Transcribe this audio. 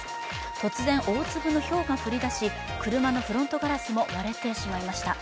突然、大粒のひょうが降り出し、車のフロントガラスも割れてしまいました。